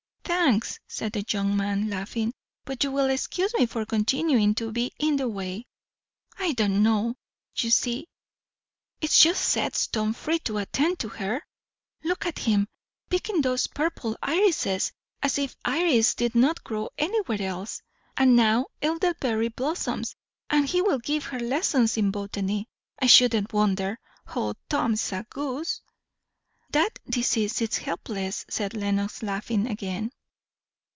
"Thanks!" said the young man, laughing. "But you will excuse me for continuing to be in the way." "I don't know you see, it just sets Tom free to attend to her. Look at him picking those purple irises as if iris did not grow anywhere else! And now elderberry blossoms! And he will give her lessons in botany, I shouldn't wonder. O, Tom's a goose!" "That disease is helpless," said Lenox, laughing again.